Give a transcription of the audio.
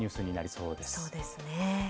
そうですね。